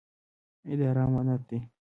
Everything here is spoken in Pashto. اداره امانت دی